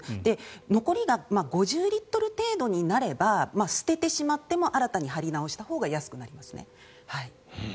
残りが５０リットル程度になれば捨ててしまっても新たに張り直したほうが安くなりますね。